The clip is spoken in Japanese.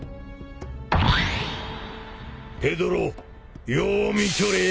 ペドロよう見ちょれ。